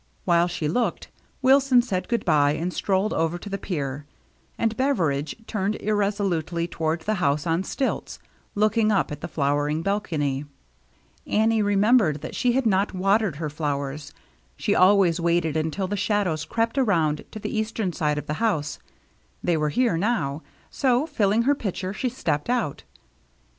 While she looked, Wilson said good by, and strolled over to the pier ; and Beveridge turned irresolutely toward the house on stilts, looking up at the flowering balcony. Annie remembered that she had not watered 173 174 THE MERRT ANNE her flowers. She always waited until the shadows crept around to the eastern side of the house ; they were here now, so, filling her pitcher, she stepped out.